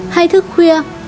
năm hay thức khuya